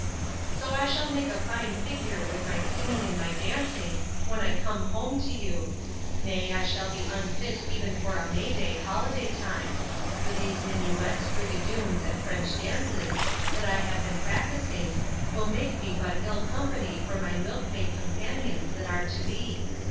So I shall make a fine figure with my singing and my dancing, when I come home to you! Nay, I shall be unfit even for a May day holiday time; for these minuets, rigadoons, and French dances, that I have been practising, will make me but ill company for my milk maid companions that are to be.